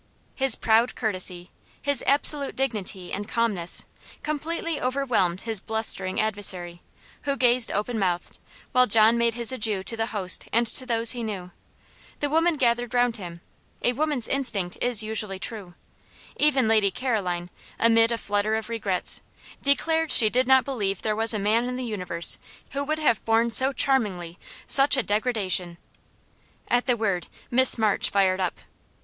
His proud courtesy, his absolute dignity and calmness, completely overwhelmed his blustering adversary; who gazed open mouthed, while John made his adieu to his host and to those he knew. The women gathered round him woman's instinct is usually true. Even Lady Caroline, amid a flutter of regrets, declared she did not believe there was a man in the universe who would have borne so charmingly such a "degradation." At the word Miss March fired up.